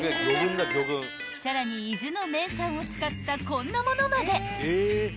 ［さらに伊豆の名産を使ったこんなものまで］